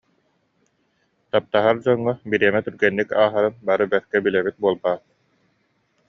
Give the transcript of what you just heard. Таптаһар дьоҥҥо бириэмэ түргэнник ааһарын бары бэркэ билэбит буолбаат